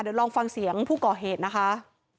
เดี๋ยวลองฟังเสียงผู้ก่อเหตุนะคะ